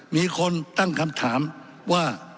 มีคนตั้งคำถามว่า